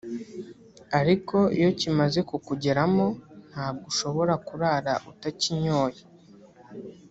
ariko iyo kimaze kukugeramo ntabwo ushobora kurara utakinyoye